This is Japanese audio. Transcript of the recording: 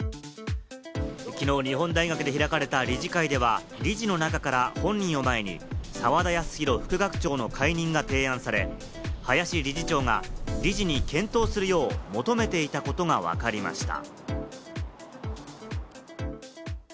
きのう日本大学で開かれた理事会では、理事の中から本人を前に澤田康広副学長の解任が提案され、林理事長が理事に検討するよう求めていたことがわかりました。